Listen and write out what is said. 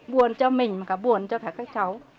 buồn cho mình buồn cho cả các cháu